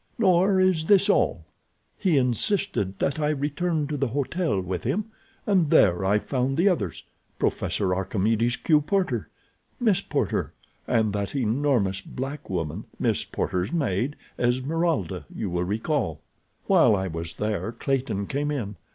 Nor is this all. He insisted that I return to the hotel with him, and there I found the others—Professor Archimedes Q. Porter, Miss Porter, and that enormous black woman, Miss Porter's maid—Esmeralda, you will recall. While I was there Clayton came in.